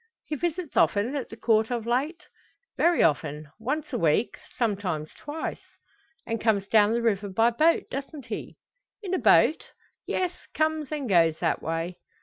"He visits often at the Court of late?" "Very often once a week, sometimes twice." "And comes down the river by boat; doesn't he!" "In a boat. Yes comes and goes that way."